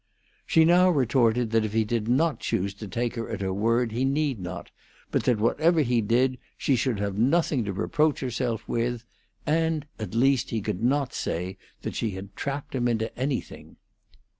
She now retorted that if he did not choose to take her at her word he need not, but that whatever he did she should have nothing to reproach herself with; and, at least, he could not say that she had trapped him into anything.